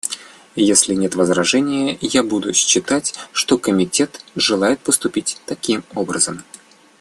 Если нет возражения, я буду считать, что Комитет желает поступить таким образом.